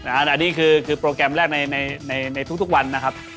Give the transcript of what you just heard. อันนี้คือโปรแกรมแรกในทุกวันนะครับ